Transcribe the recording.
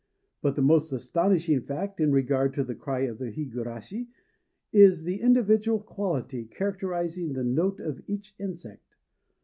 But the most astonishing fact in regard to the cry of the higurashi is the individual quality characterizing the note of each insect.